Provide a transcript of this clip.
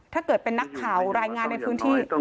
ถ้าเกิดเป็นนักข่าวรายงานในพื้นที่